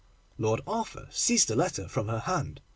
Lord Arthur seized the letter from her hand.